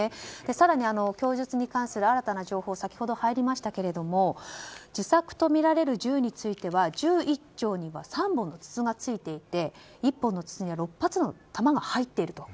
さらに供述に関する新たな情報先ほど入りましたけれど自作とみられる銃については銃一丁には３本の筒がついていて１本の筒には６発の弾が入っていると。